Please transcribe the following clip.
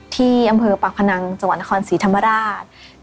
ที่อำเภอปากพนังจังหวัดนครศรีธรรมราช